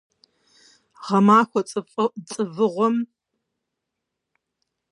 Гъэмахуэ цӀывыгъуэм щыгъын нэхъыфӀыӀуэу сиӀэр щыстӀагъэрти, си мыгъуэм я куэбжэпэмкӀэ зрезгъэхьэкӀырт.